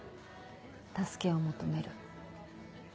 助けを求める。